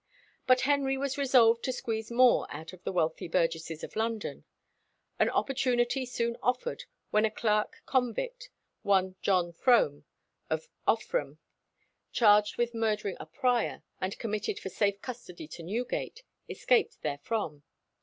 But Henry was resolved to squeeze more out of the wealthy burgesses of London. An opportunity soon offered when a clerk convict, one John Frome, or Offrem,[27:1] charged with murdering a prior, and committed for safe custody to Newgate, escaped therefrom.